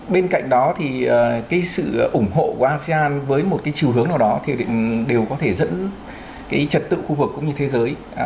bên cạnh đó thì cái sự ủng hộ của asean với một cái chiều hướng nào đó thì đều có thể dẫn cái trật tự khu vực cũng như thế giới